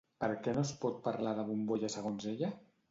Per què no es pot parlar de bombolla segons ella?